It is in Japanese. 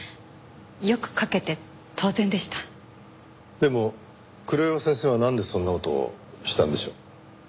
でも黒岩先生はなんでそんな事をしたんでしょう？